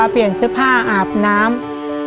เปลี่ยนเสื้อผ้าอาบน้ำ